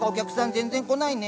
全然来ないね。